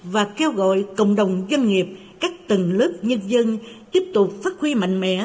và kêu gọi cộng đồng doanh nghiệp các tầng lớp nhân dân tiếp tục phát huy mạnh mẽ